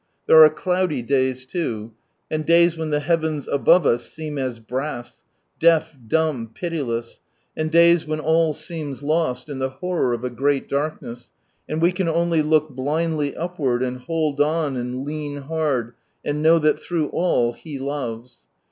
There are cloudy days loo, and days when the heavens above us seem as brass — deaf, dumb, pitiless ; and days when all seems lost in the horror of a great darkness, and we can only look blindly upward, and hold on, and lean hard, and know that through all He loves.